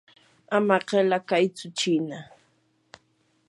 ama qila kaytsu chiina.